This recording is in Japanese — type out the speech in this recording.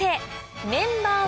メンバーは？